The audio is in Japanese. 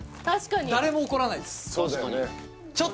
確かに誰も怒らないです